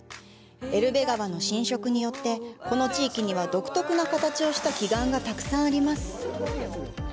エルベ川の浸食によって、この地域には、独特な形をした奇岩がたくさんあります。